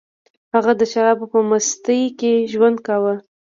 هغه د شرابو په مستۍ کې ژوند کاوه